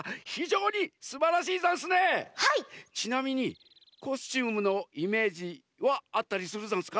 ちなみにコスチュームのイメージはあったりするざんすか？